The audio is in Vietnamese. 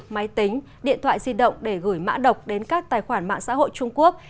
máy tính điện thoại di động để gửi mã độc đến các tài khoản mạng xã hội trung quốc